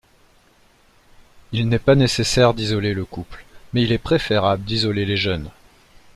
Il n'est pas nécessaire d'isoler le couple, mais il est préférable d'isoler les jeunes.